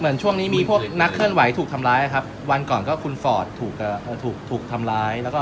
เมื่อในช่วงนี้มีพวกนักเคลื่อนไหวทำล้ายครับวันก่อนคุณฟร็อตถูกทำร้าย